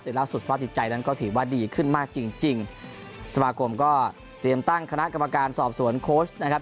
แต่ล่าสุดสภาพจิตใจนั้นก็ถือว่าดีขึ้นมากจริงจริงสมาคมก็เตรียมตั้งคณะกรรมการสอบสวนโค้ชนะครับ